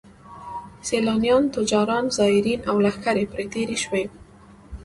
سیلانیان، تجاران، زایرین او لښکرې پرې تېر شوي.